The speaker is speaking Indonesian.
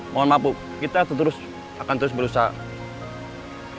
mohon maaf bu kita akan terus berusaha